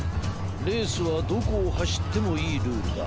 レースはどこをはしってもいいルールだ。